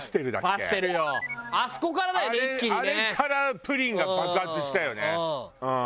あれからプリンが爆発したよねうん。